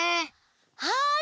はい！